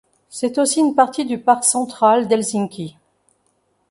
C'est aussi une partie du Parc central d'Helsinki.